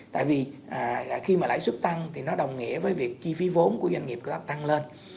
tại vì khi mà lãi suất tăng thì nó đồng nghĩa với việc chi phí vốn của doanh nghiệp tăng lên